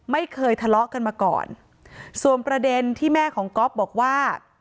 ไม่เคยทะเลาะกันมาก่อนส่วนประเด็นที่แม่ของก๊อฟบอกว่า